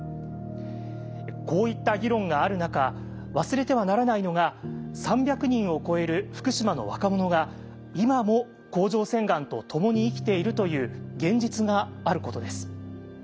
こういった議論がある中忘れてはならないのが３００人を超える福島の若者が今も甲状腺がんと共に生きているという現実があることです。